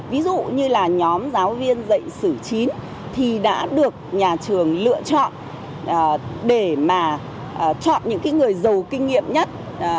ví dụ như là nhóm giáo viên dạy sử chín thì đã được nhà trường lựa chọn để mà chọn những người giàu kinh nghiệm nhất